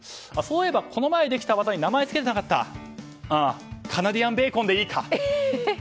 そういえばこの前できた技に名前を付けていなかったカナディアンベーコンでいいかと。